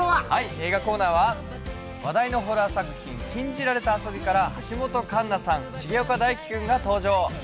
映画コーナーは話題のホラー作品「禁じられた遊び」から橋本環奈さん、重岡大毅君が登場。